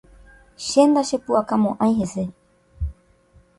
Che ndachepu'akamo'ãi hese.